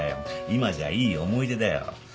今じゃいい思い出だよ